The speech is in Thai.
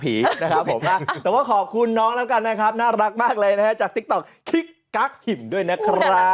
พอเดี๋ยวเขาเปลี่ยนช่อง